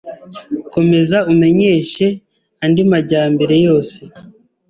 Komeza umenyeshe andi majyambere yose.